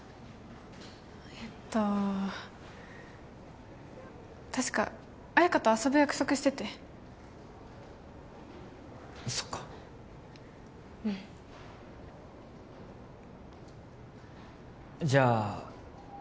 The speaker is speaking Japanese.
えっと確か彩花と遊ぶ約束しててそっかうんじゃあ